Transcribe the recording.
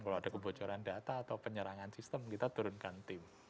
kalau ada kebocoran data atau penyerangan sistem kita turunkan tim